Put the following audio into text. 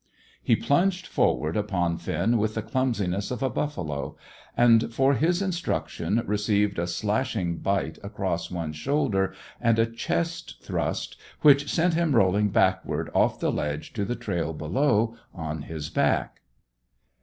He plunged forward upon Finn with the clumsiness of a buffalo, and, for his instruction, received a slashing bite across one shoulder and a chest thrust which sent him rolling backwards off the ledge to the trail below, on his back.